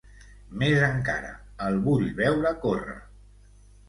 Més encara, el vull veure córrer!